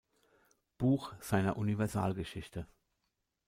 Buch seiner Universalgeschichte.